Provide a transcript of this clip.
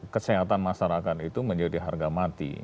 kesehatan masyarakat itu menjadi harga mati